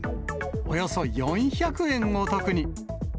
およそ４００円お得に。